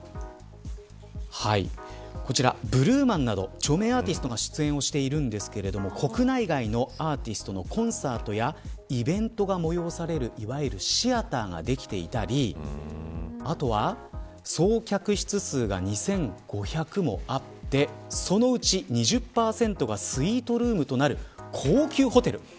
こちらブルーマンなど著名アーティストが出演しているんですけれども国内外のアーティストのコンサートやイベントが催されるいわゆるシアターができていたりあとは、総客室数が２５００もあってそのうち２０％がスイートルームとなる高級ホテル。